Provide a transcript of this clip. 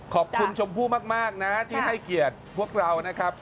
ชมพู่มากนะที่ให้เกียรติพวกเรานะครับ